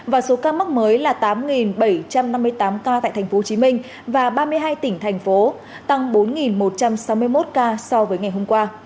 và số ca mắc mới là tám bảy trăm năm mươi tám ca tại tp hcm và ba mươi hai tỉnh thành phố tăng bốn một trăm sáu mươi một ca so với ngày hôm qua